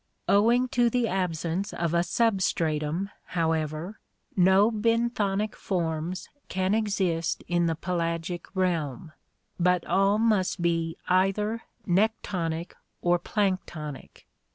Owing to the absence of a substratum, however, no benthonic forms can exist in the pelagic realm, but all must be either nektonic or planktonic.